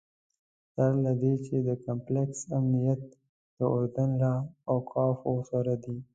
سره له دې چې د کمپلکس امنیت د اردن له اوقافو سره دی.